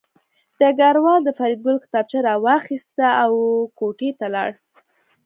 ډګروال د فریدګل کتابچه راواخیسته او کوټې ته لاړ